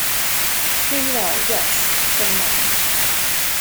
Here you are, yes — for the moment.